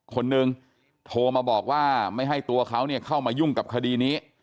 คนหนึ่งโทรมาบอกว่าไม่ให้ตัวเขาเข้ามายุ่งกับคดีนี้